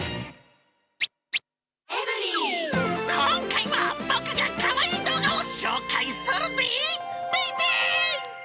今回も僕がかわいい動画を紹介するぜ、ベイベー。